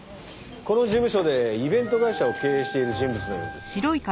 この事務所でイベント会社を経営している人物のようです。